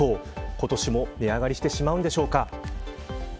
今年も値上がりしてしまうんでしょうか。